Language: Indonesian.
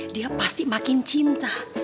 dia pasti makin cinta